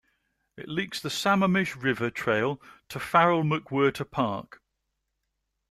It links the Sammamish River Trail to Farrel-McWhirter Park.